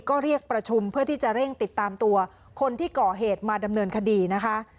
ก็เรียกประชุมเพื่อที่จะเร่งติดตามตัวคนที่ก่อเหตุมาดำเนินคดีนะคะ